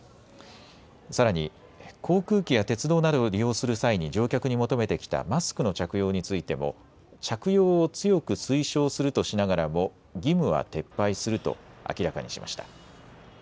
さらに航空機や鉄道などを利用する際に乗客に求めてきたマスクの着用についても着用を強く推奨するとしながらも義務は撤廃すると明らかにしました。